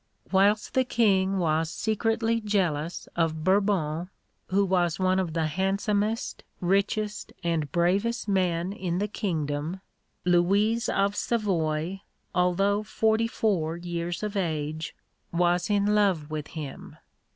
Whilst the King was secretly jealous of Bourbon, who was one of the handsomest, richest, and bravest men in the kingdom, Louise of Savoy, although forty four years of age, was in love with him.